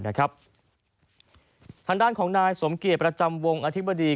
ทางด้านของนายสมเกียจประจำวงอธิบดี